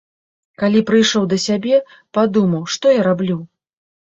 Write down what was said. Калі прыйшоў да сябе, падумаў, што я раблю?